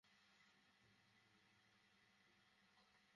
Madam, তাড়াতাড়ি করেন।